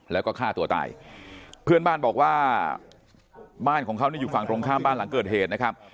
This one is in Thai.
แล้วก็ฆ่าตัวตายเพื่อนบ้านบอกว่าบ้านของเขานี่อยู่ฝั่งตรงข้ามบ้านหลังเกิดเหตุนะครับ